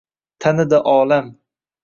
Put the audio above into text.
Tanidi olam.